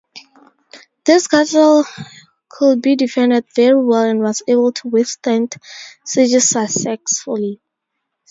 This castle could be defended very well and was able to withstand sieges successfully.